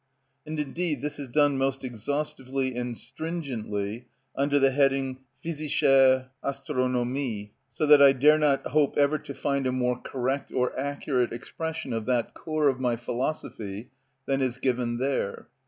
And indeed this is done most exhaustively and stringently under the heading "Physische Astronomie;" so that I dare not hope ever to find a more correct or accurate expression of that core of my philosophy than is given there.